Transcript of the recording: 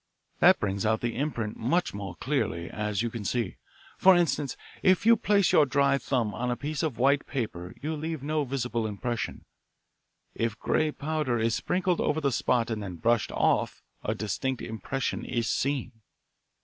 That brings out the imprint much more clearly, as you can see. For instance, if you place your dry thumb on a piece of white paper you leave no visible impression. If grey powder is sprinkled over the spot and then brushed off a distinct impression is seen.